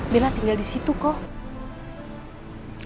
bila tinggal di situ kok